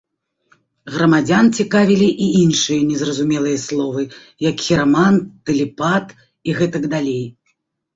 Грамадзян цікавілі і іншыя незразумелыя словы, як хірамант, тэлепат і гэтак далей.